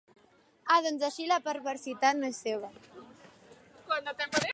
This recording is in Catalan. Ah, doncs així la perversitat no és seva.